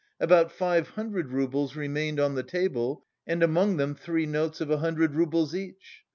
About five hundred roubles remained on the table and among them three notes of a hundred roubles each.